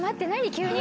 急に。